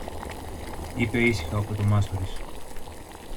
είπε ήσυχα ο πρωτομάστορης.